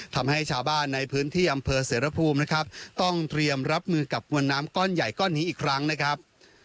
ทำให้ชาวบ้านในพื้นที่อำเภอเสรภูมินะครับต้องเตรียมรับมือกับมวลน้ำก้อนใหญ่ก้อนนี้อีกครั้งนะครับ